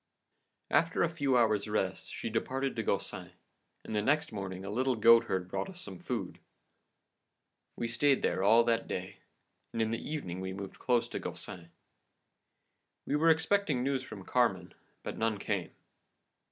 "After a few hours' rest, she departed to Gaucin, and the next morning a little goatherd brought us some food. We stayed there all that day, and in the evening we moved close to Gaucin. We were expecting news from Carmen, but none came.